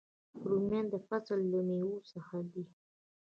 رومیان د فصل له میوو څخه دي